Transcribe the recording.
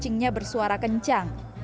kucingnya bersuara kencang